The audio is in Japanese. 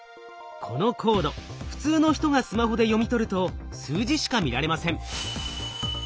このコード普通の人がスマホで読み取ると数字しか見られません。